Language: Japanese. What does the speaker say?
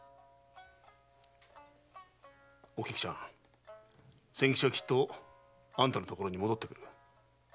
おきくちゃん千吉はきっとあんたのところに戻ってくるよ。